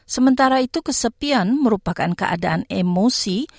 sementara itu kesepian merupakan keadaan emosi